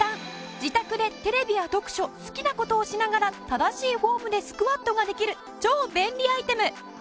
自宅でテレビや読書好きな事をしながら正しいフォームでスクワットができる超便利アイテム！